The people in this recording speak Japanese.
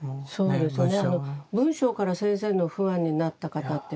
そうですね。